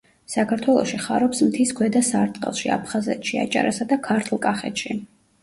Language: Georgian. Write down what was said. საქართველოში ხარობს მთის ქვედა სარტყელში აფხაზეთში, აჭარასა და ქართლ-კახეთში.